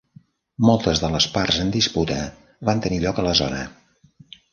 Moltes de les parts en disputa van tenir lloc a la zona.